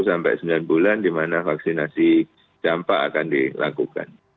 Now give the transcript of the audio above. sampai sembilan bulan dimana vaksinasi dampak akan dilakukan